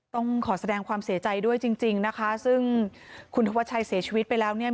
ต้องขอแสดงความเสียใจด้วยจริงจริงนะคะซึ่งคุณธวัชชัยเสียชีวิตไปแล้วเนี่ย